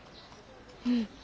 うん。